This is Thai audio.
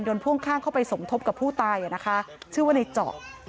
พ่วงข้างเข้าไปสมทบกับผู้ตายนะคะชื่อว่าในเจาะ